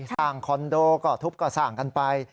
คอนโดก็ทุบก็สร้างกันไป